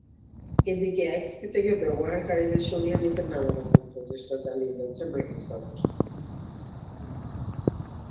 এদিকে, এক্সপি থেকে ব্যবহারকারীদের সরিয়ে নিতে নানা রকম প্রচেষ্টা চালিয়ে যাচ্ছে মাইক্রোসফট।